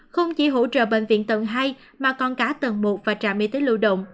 không chỉ hỗ trợ bệnh viện tầng hai mà còn cả tầng một và trạm y tế lưu động